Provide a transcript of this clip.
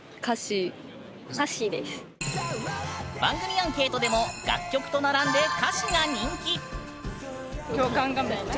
番組アンケートでも楽曲と並んでそう。